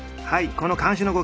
この鉗子の動き